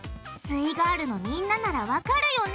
イガールのみんなならわかるよね？